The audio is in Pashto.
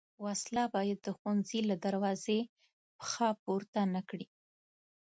وسله باید د ښوونځي له دروازې پښه پورته نه کړي